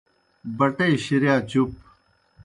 بٹے شِرِیا چُپ